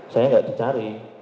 saya gak dicari